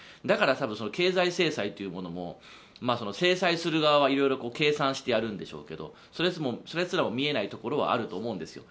だから、経済制裁というものも制裁する側は色々と計算してやるんでしょうけどもそれすら見えないところがあると思うんです。